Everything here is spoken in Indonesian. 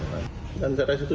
dan saya rasa itu sangat menarik